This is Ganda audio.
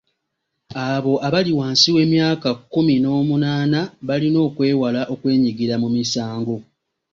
Abo abali wansi w'emyaka kkumi n'omunaana balina okwewala okwenyigira mu misango.